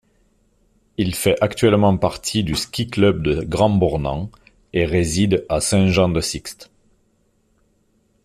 Il fait actuellement partie du ski club du Grand Bornand et réside à Saint-Jean-de-Sixt.